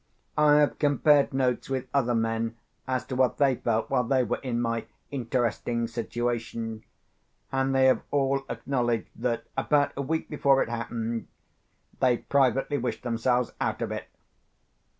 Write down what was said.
I have compared notes with other men as to what they felt while they were in my interesting situation; and they have all acknowledged that, about a week before it happened, they privately wished themselves out of it.